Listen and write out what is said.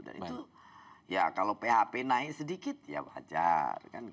dan itu ya kalau php naik sedikit ya wajar